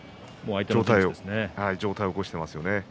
相手の上体を起こしています。